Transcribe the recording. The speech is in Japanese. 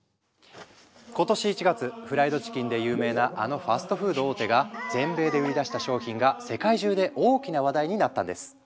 今年１月フライドチキンで有名なあのファストフード大手が全米で売り出した商品が世界中で大きな話題になったんです。